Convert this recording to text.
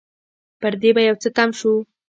پر دې به يو څه تم شو.